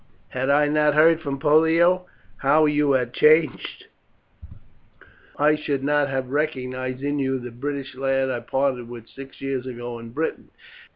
Had I not heard from Pollio how you had changed, I should not have recognized in you the British lad I parted with six years ago in Britain.